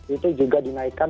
itu juga dinaikkan